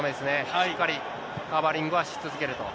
しっかりカバーリングはし続けると。